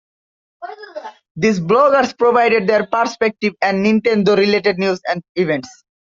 These bloggers provided their perspective to Nintendo-related news and events.